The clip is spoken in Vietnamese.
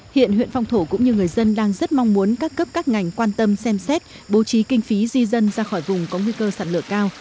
hiện huyện phong thổ cũng như người dân đang rất mong muốn các cấp các ngành quan tâm xem xét bố trí kinh phí di dân ra khỏi vùng có nguy cơ sạt lửa cao